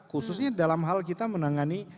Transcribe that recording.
khususnya dalam hal kita menangani